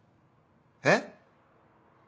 えっ？